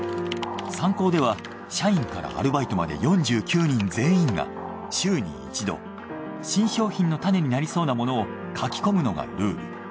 サンコーでは社員からアルバイトまで４９人全員が週に１度新商品のタネになりそうなものを書き込むのがルール。